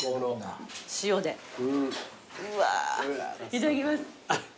いただきます。